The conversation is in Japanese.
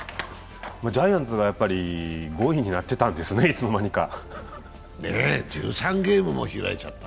ジャイアンツが５位になってたんですね、いつの間にか。